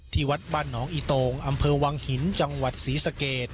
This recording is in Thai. วัดบ้านหนองอีโตงอำเภอวังหินจังหวัดศรีสเกต